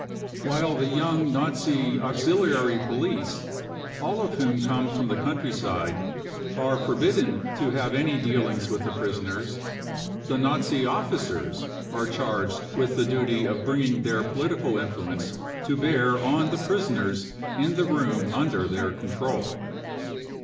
" While the young Nazi auxiliary police, all of whom come from the countryside, are forbidden to have any dealings with the prisoners, the Nazi officers are charged with the duty of bringing their political influence to bear on the prisoners in the room under their control.